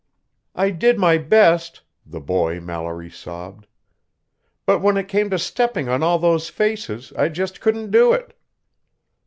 "I did my best," the boy Mallory sobbed. "But when it came to stepping on all those faces, I just couldn't do it!"